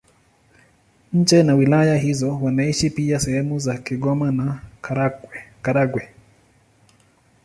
Nje na wilaya hizo wanaishi pia sehemu za Kigoma na Karagwe.